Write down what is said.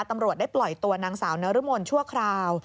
ตำรวจได้ปล่อยตัวนางสาวนรมนชั่วคราว